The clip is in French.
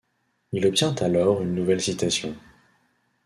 Il obtient alors une nouvelle citation.